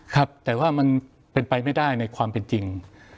ครับแต่ว่ามันเป็นไปไม่ได้ในความเป็นจริง